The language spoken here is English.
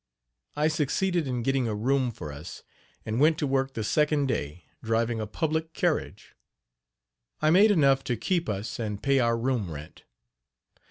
I succeeded in getting a room for us, and went to work the second day driving a public carriage. I made enough to keep us and pay our room rent.